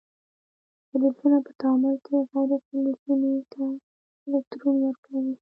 فلزونه په تعامل کې غیر فلزونو ته الکترون ورکوي.